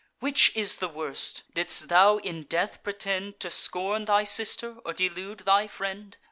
Which is the worst? Didst thou in death pretend To scorn thy sister, or delude thy friend?